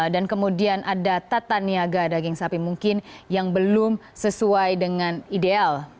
dan kemudian ada tata niaga daging sapi mungkin yang belum sesuai dengan ideal